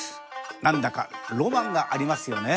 なんだかロマンがありますよね。